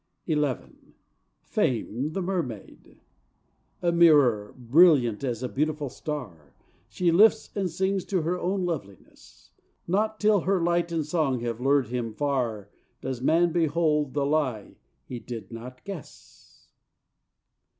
XI Fame, the Mermaid A mirror, brilliant as a beautiful star, She lifts and sings to her own loveliness: Not till her light and song have lured him far Does man behold the lie he did not guess.